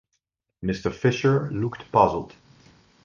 Mr. Fisher looked puzzled.